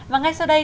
và ngay sau đây